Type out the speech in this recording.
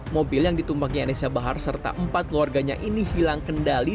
mobil yang ditumbangnya anesya bahar serta empat keluarganya ini hilang kendali